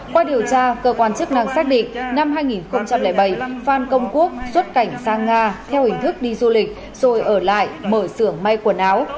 qua điều tra cơ quan chức năng xác định năm hai nghìn bảy phan công quốc xuất cảnh sang nga theo hình thức đi du lịch rồi ở lại mở xưởng may quần áo